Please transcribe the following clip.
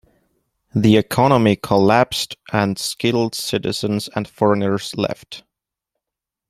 The economy collapsed, and skilled citizens and foreigners left.